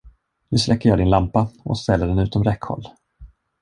Nu släcker jag din lampa och ställer den utom räckhåll.